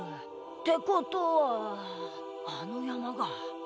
ってことはあのやまが。